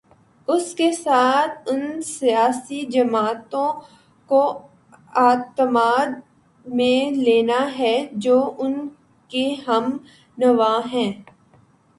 اس کے ساتھ ان سیاسی جماعتوں کو اعتماد میں لینا ہے جو ان کی ہم نوا ہیں۔